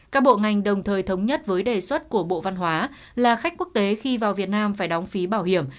các bộ ngành đồng thời thống nhất với đề xuất của bộ văn hóa là khách quốc tế khi vào việt nam phải đóng phí bảo hiểm